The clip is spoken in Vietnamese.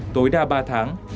tối đa ba tháng